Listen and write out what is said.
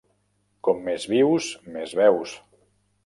Com més vius, més veus.